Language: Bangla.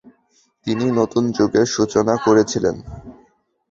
তিনি নতুন যুগের সূচনা করেছিলেন।